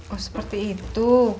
oh seperti itu